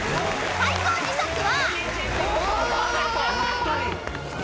［最高時速は］